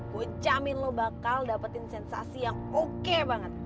gue jamin lo bakal dapetin sensasi yang oke banget